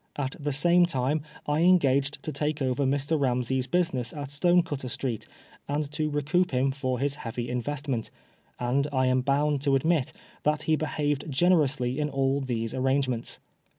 At the same time I engaged to take over Mr. Bamsey^s business at Stonecutter Street, and to recoup him for his heavy investment ; and I am bound to admit that he behaved generously in all these arrange ments.